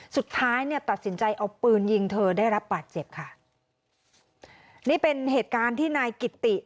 สุดท้ายเนี่ยตัดสินใจเอาปืนยิงเธอได้รับบาดเจ็บค่ะนี่เป็นเหตุการณ์ที่นายกิตติ